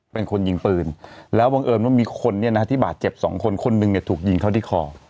เป็นคนยิงปืนแล้วบังเอิญว่ามีคนเนี่ยนะฮะที่บาดเจ็บสองคนคนหนึ่งเนี่ยถูกยิงเข้าที่คอ